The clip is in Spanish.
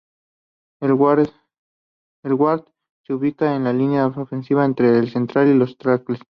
El guard se ubica en la línea ofensiva entre el center y los tackles.